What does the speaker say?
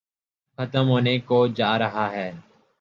ختم ہونے کوجارہاہے۔